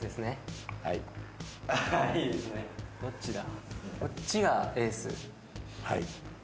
どっちだ？